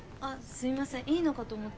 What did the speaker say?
すいませんいいのかと思って。